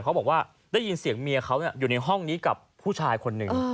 เขาบอกว่าได้ยินเสียงเมียเขาอยู่ในห้องนี้กับผู้ชายคนหนึ่ง